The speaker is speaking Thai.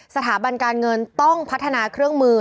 สถาบันการเงินต้องพัฒนาเครื่องมือ